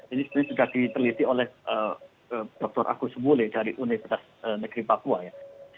ini sudah diteliti oleh dr agus muli dari universitas negeri papua ya